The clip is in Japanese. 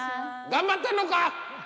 頑張ってんのか！